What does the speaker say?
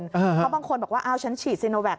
เพราะบางคนบอกว่าฉันฉีดซีนวัค